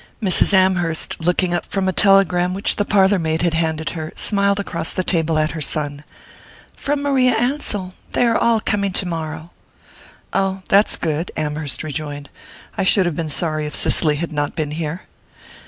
Mrs. Amherst, looking up from a telegram which the parlour maid had handed her, smiled across the table at her son. "From Maria Ansell they are all coming tomorrow." "Ah that's good," Amherst rejoined. "I should have been sorry if Cicely had not been here."